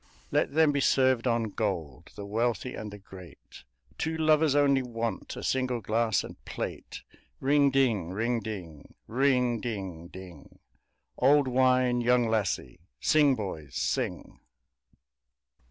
Let them be served on gold The wealthy and the great; Two lovers only want A single glass and plate! Ring ding, ring ding, Ring ding ding Old wine, young lassie, Sing, boys, sing!